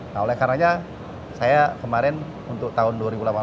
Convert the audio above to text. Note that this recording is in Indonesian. nah oleh karenanya saya kemarin untuk tahun dua ribu delapan belas